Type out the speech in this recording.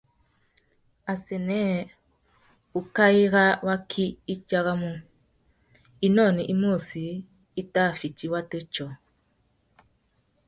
Assênē ukaï râ waki i djaramú « inônōh imôchï i tà fiti wata tiô ».